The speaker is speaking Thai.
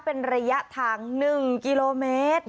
เป็นระยะทาง๑กิโลเมตร